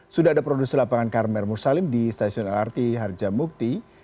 sudah ada produser lapangan karmel mursalim di stasiun lrt harjamukti